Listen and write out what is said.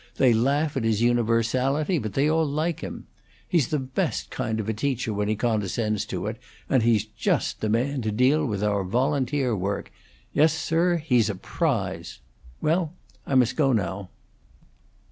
They laugh at his universality, but they all like him. He's the best kind of a teacher when he condescends to it; and he's just the man to deal with our volunteer work. Yes, sir, he's a prize. Well, I must go now."